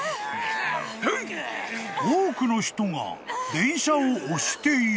［多くの人が電車を押している］